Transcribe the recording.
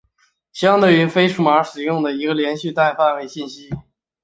相对的非数码系统使用一个个连续的范围代表信息。